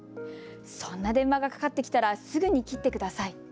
そんな電話がかかってきたらすぐに切ってください。